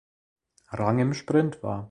Rang im Sprint war.